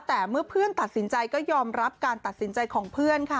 แต่เมื่อเพื่อนตัดสินใจก็ยอมรับการตัดสินใจของเพื่อนค่ะ